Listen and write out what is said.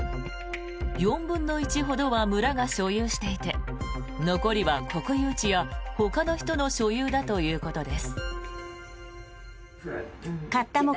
４分の１ほどは村が所有していて残りは国有地やほかの人の所有だということです。